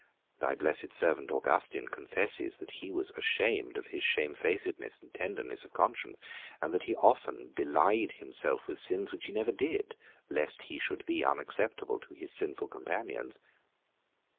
Thy blessed servant Augustine confesses that he was ashamed of his shamefacedness and tenderness of conscience, and that he often belied himself with sins which he never did, lest he should be unacceptable to his sinful companions.